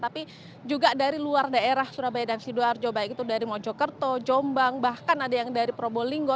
tapi juga dari luar daerah surabaya dan sidoarjo baik itu dari mojokerto jombang